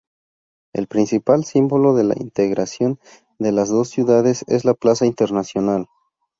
El principal símbolo de la integración de las dos ciudades es la Plaza Internacional.